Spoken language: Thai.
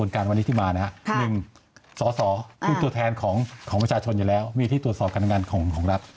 คือตัวแทนของประชาชนอยู่แล้วมีที่ตรวจสอบกำลังงานของรัฐ